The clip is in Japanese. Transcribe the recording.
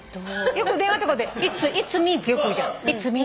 よく電話とかで「Ｉｔ’ｓｍｅ」ってよく言うじゃん。